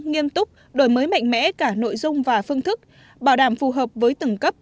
nghiêm túc đổi mới mạnh mẽ cả nội dung và phương thức bảo đảm phù hợp với từng cấp